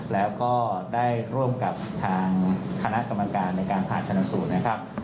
แล้วก็ได้ร่วมกับทางคณะกรรมการในการผ่าชนสูตรนะครับ